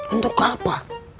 untuk ke apa